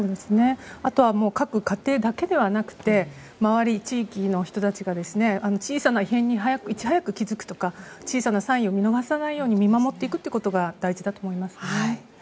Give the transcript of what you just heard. あとは各家庭だけではなくて周り、地域の人たちが小さな異変にいち早く気付くとか小さなサインを見逃さないように見守っていくことが大事だと思いますね。